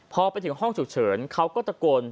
พอไปถึงห้องฉุกเฉินเขาก็ตะโกน